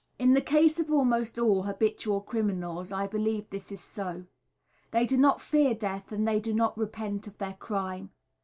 In the case of almost all habitual criminals I believe this is so they do not fear death and they do not repent of their crime.